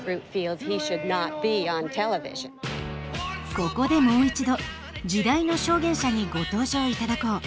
ここでもう一度時代の証言者にご登場頂こう。